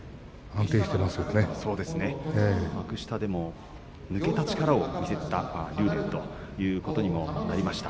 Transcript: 幕下でも抜けた力を見せた竜電ということにもなりました。